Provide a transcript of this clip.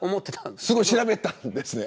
すごい調べたんですね。